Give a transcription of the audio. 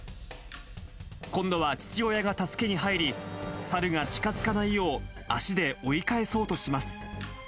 今度は父親が助けに入り、サルが近づかないよう、足で追い返そうとします。